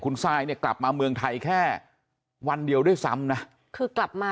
คุณซายเนี่ยกลับมาเมืองไทยแค่วันเดียวด้วยซ้ำนะคือกลับมา